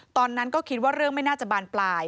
ตอนนั้นก็คิดว่าเรื่องไม่น่าจะบานปลาย